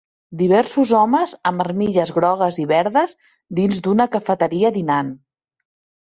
Diversos homes amb armilles grogues i verdes dins d'una cafeteria dinant.